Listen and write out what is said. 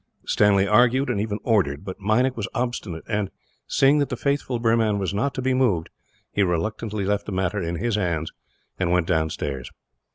Stanley argued, and even ordered, but Meinik was obstinate and, seeing that the faithful Burman was not to be moved, he reluctantly left the matter in his hands, and went downstairs.